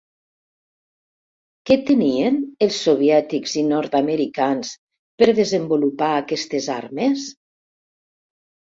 Què tenien els soviètics i nord-americans per desenvolupar aquestes armes?